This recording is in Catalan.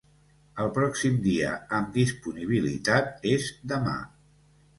El pròxim dia amb disponibilitat és demà.